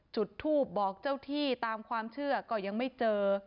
จุดทูบบอกเจ้าที่ตามความเชื่อก็ยังไม่เจอ